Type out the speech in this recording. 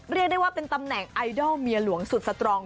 เรียกได้ว่าเป็นตำแหน่งไอดอลเมียหลวงสุดสตรอง